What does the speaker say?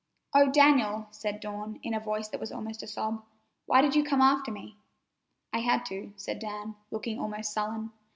"Oh, Daniel!" said Dawn, in a voice that was almost a sob. "Why did you come after me?" "I had to," said Dan, looking almost sullen.